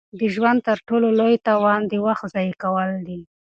د ژوند تر ټولو لوی تاوان د وخت ضایع کول دي.